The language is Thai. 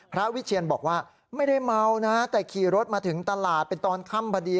วิเชียนบอกว่าไม่ได้เมานะแต่ขี่รถมาถึงตลาดเป็นตอนค่ำพอดี